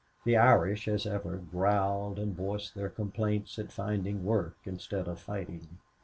The Irish, as ever, growled and voiced their complaints at finding work instead of fighting.